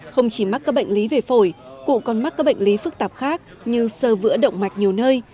không chỉ mắc các bệnh lý về phổi cụ còn mắc các bệnh lý phức tạp khác như sơ vữa động mạch nhiều nơi